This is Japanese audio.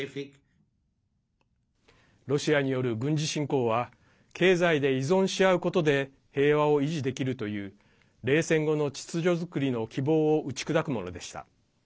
ロシアによる軍事侵攻は経済で依存し合うことで平和を維持できるという冷戦後の秩序作りの希望を打ち砕くものでした。